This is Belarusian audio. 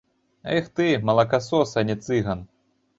Эх ты, малакасос, а не цыган.